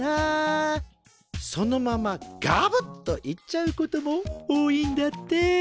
そのままガブッといっちゃうことも多いんだって。